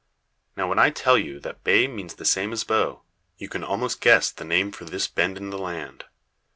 Now, when I tell yon that bay means the same as bow, you can almost guess the name for this bend in the land.